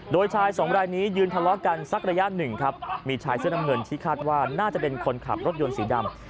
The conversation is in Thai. โดยชายสองรายนี้ยืนทะเลาะกันสักระยะหนึ่งครับมีชายเสื้อน้ำเงินที่คาดว่าน่าจะเป็นคนขับรถยนต์สีดำ